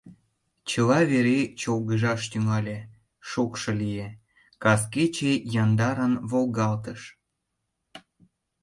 Чыла вере чолгыжаш тӱҥале, шокшо лие, кас кече яндарын волгалтыш.